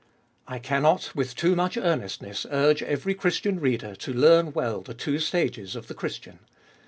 I cannot with too much earnestness urge every Christian reader to learn well the two stages of the Christian.